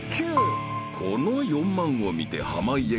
［この４万を見て］